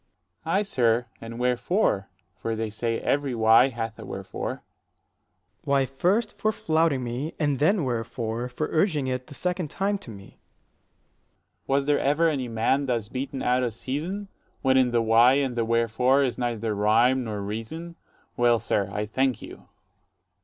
Dro. S. Ay, sir, and wherefore; for they say every why hath a wherefore. Ant. S. Why, first, for flouting me; and then, wherefore, 45 For urging it the second time to me. Dro. S. Was there ever any man thus beaten out of season, When in the why and the wherefore is neither rhyme nor reason? Well, sir, I thank you.